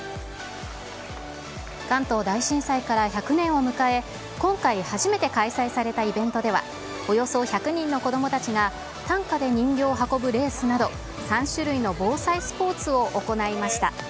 関東大震災から１００年を迎え、今回初めて開催されたイベントでは、およそ１００人の子どもたちが、担架で人形を運ぶレースなど、３種類の防災スポーツを行いました。